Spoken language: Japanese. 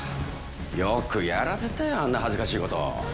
よくやらせたよあんな恥ずかしい事。